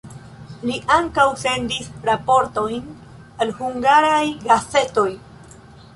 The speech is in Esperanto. Li ankaŭ sendis raportojn al hungaraj gazetoj.